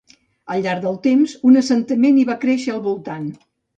Al llarg del temps, un assentament hi va créixer al voltant.